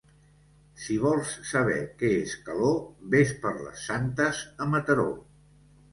Si vols saber què és calor, ves per les Santes a Mataró.